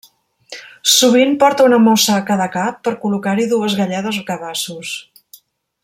Sovint porta una mossa a cada cap per col·locar-hi dues galledes o cabassos.